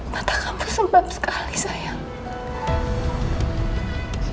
mata kamu sebab sekali sayang